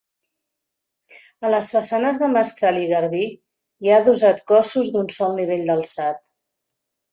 A les façanes de mestral i garbí hi ha adossats cossos d'un sol nivell d'alçat.